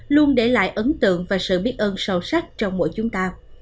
luôn để lại ấn tượng và sự biết ơn sâu sắc trong mỗi chúng ta